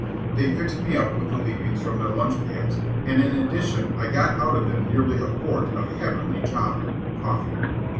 They fixed me up with the leavings from their lunch pails, and in addition I got out of them nearly a quart of heavenly "Java" (coffee).